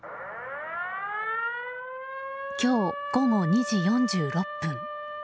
今日午後２時４６分。